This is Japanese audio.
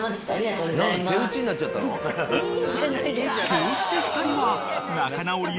［こうして２人は］